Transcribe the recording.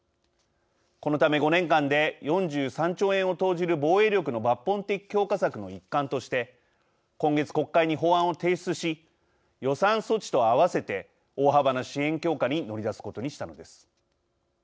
このため５年間で４３兆円を投じる、防衛力の抜本的強化策の一環として今月、国会に法案を提出し予算措置と合わせて大幅な支援強化に乗り出すことにしたのです。